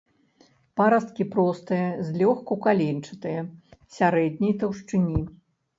Парасткі простыя, злёгку каленчатыя, сярэдняй таўшчыні.